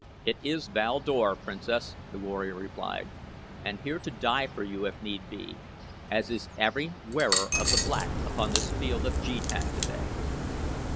"It is Val Dor, Princess," the warrior replied, "and here to die for you if need be, as is every wearer of the Black upon this field of jetan today.